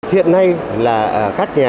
hiện nay là các doanh nghiệp